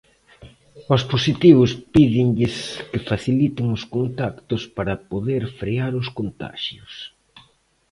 Aos positivos, pídenlles que faciliten os contactos para poder frear os contaxios.